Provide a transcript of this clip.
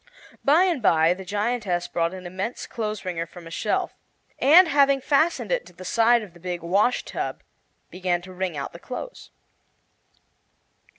By and by the giantess brought an immense clothes wringer from a shelf, and having fastened it to the side of the big wash tub began to wring out the clothes.